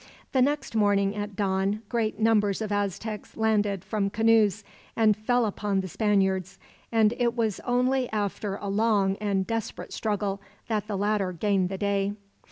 The next morning at dawn, great numbers of Aztecs landed from canoes, and fell upon the Spaniards; and it was only after a long and desperate struggle that the latter gained the day.